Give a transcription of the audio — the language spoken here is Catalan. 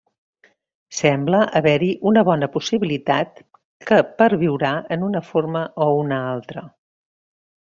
Sembla haver-hi una bona possibilitat que perviurà en una forma o una altra.